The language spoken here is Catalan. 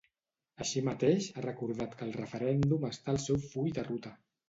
Així mateix, ha recordat que el referèndum està al seu full de ruta.